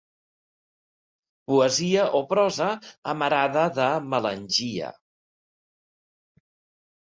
Poesia o prosa amarada de melangia.